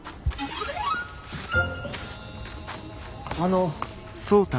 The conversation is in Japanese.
あの。